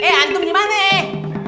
eh antum gimana eh